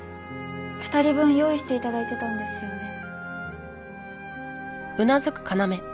２人分用意していただいてたんですよね？